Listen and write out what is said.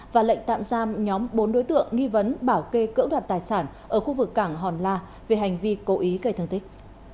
và lệnh tạm giam nhóm bốn đối tượng nghi vấn bảo kê cỡ đoạt tài sản ở khu vực cảng hòn la về hành vi cố ý gây thương tích